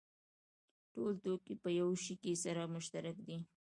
ټول توکي په یوه شي کې سره مشترک دي